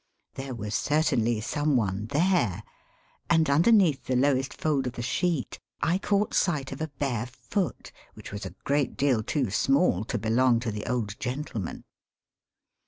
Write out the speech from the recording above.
There was certainly some one there, and underneath the lowest fold of the sheet I caught sight of a bare foot which was a great deal too small to belong to the old gentleman.